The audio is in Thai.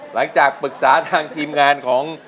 หลังจากปรึกษาทางทีมงานของ